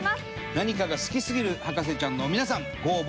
何かが好きすぎる博士ちゃんの皆さんご応募